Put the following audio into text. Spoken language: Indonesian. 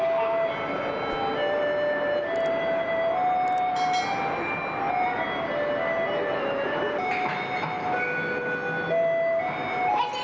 lu apaan sih